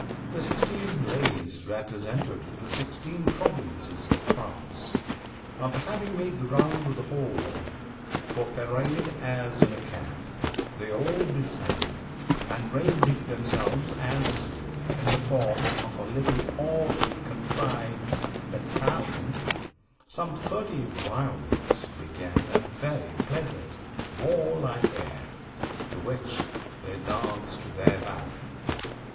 The sixteen ladies represented the sixteen provinces of France. After having made the round of the hall for parade as in a camp, they all descended, and ranging themselves in the form of a little oddly contrived battalion, some thirty violins began a very pleasant warlike air, to which they danced their ballet."